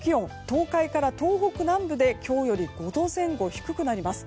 東海から東北南部で今日より５度前後低くなります。